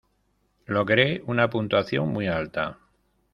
Logré una puntuación muy alta.